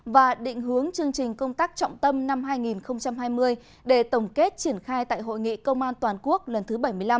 và định hướng chương trình công tác trọng tâm năm hai nghìn hai mươi để tổng kết triển khai tại hội nghị công an toàn quốc lần thứ bảy mươi năm